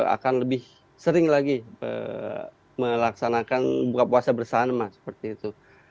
akan lebih sering lagi melaksanakan buka puasa bersama seperti itu